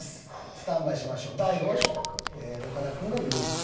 スタンバイしましょう大悟は主役岡田君が言いに来る人。